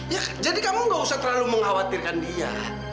ya jadi kamu gak usah terlalu mengkhawatirkan dia